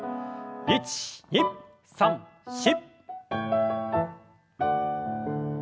１２３４！